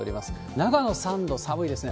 長野３度、寒いですね。